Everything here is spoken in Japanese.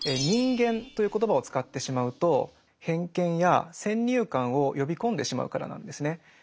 人間という言葉を使ってしまうと偏見や先入観を呼び込んでしまうからなんですね。